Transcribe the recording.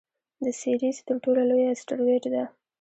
د سیریز تر ټولو لویه اسټرويډ ده.